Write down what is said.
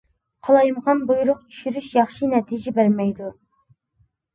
قالايمىقان بۇيرۇق چۈشۈرۈش ياخشى نەتىجە بەرمەيدۇ.